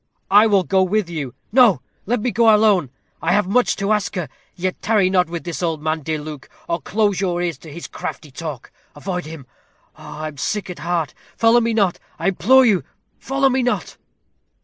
"I will go with you." "No! let me go alone. I have much to ask her; yet tarry not with this old man, dear Luke, or close your ears to his crafty talk. Avoid him. Oh, I am sick at heart. Follow me not; I implore you, follow me not."